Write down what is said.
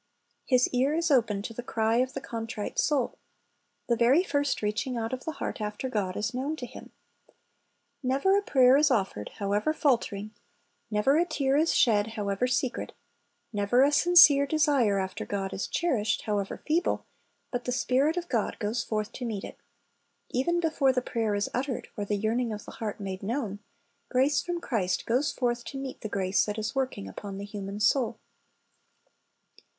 His ear is open to the ,cry of the contrite soul. The very first reaching out of the heart after God is known to Him. Never a prayer is offered, however faltering, never a tear is shed, however secret, never a sincere desire after God is cherished, however feeble, but the Spirit of God goes forth to meet it. Even before the prayer is uttered, or the yearning of the heart made known, grace from Christ goes forth to meet the grace that is working upon the human soul.